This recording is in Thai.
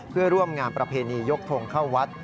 เพื่อร่วมงานประเพณียกทงเข้าวัด